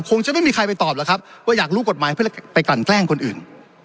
คงจะไม่มีใครไปตอบแล้วครับว่าอยากรู้กฎหมายเพื่อไปกลั่นแกล้งคนอื่น